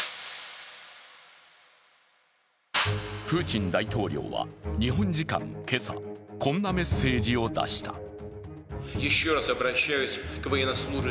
プーチン大統領は日本時間今朝、こんなメッセージを出した。